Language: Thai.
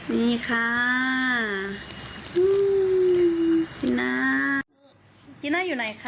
จีน่ากินข้าวเก่งค่ะจีน่าไม่งอแงแล้วนะคะ